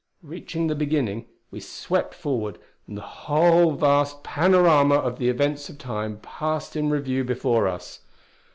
Reaching the Beginning, we swept forward, and the whole vast panorama of the events of Time passed in review before us.